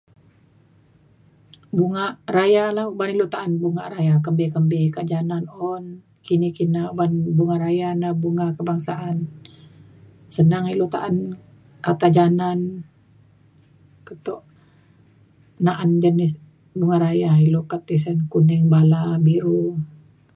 bunga raya la an ilu ta’an bunga raya kembi kembi kak janan un kini kina uban bunga raya na bunga kebangsaan senang ilu ta’an kata janan keto na’an jenis bunga raya ilu kak tisen kuning bala biru